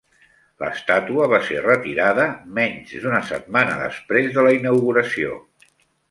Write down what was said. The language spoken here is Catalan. L'estàtua va ser retirada menys d'una setmana després de la inauguració.